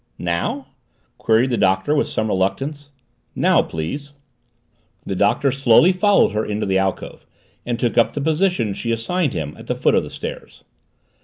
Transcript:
"Now?" queried the Doctor with some reluctance. "Now, please." The Doctor slowly followed her into the alcove and took up the position she assigned him at the foot of the stairs.